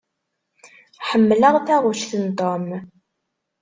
Ḥemmleɣ taɣect n Tom.